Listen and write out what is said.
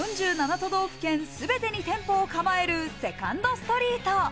都道府県すべてに店舗を構えるセカンドストリート。